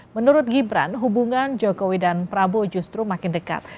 menurut gibran hubungan jokowi dan prabowo justru makin dekat